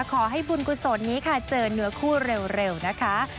ขอให้บุญกุศลนี้ค่ะเจอเนื้อคู่เร็วนะคะ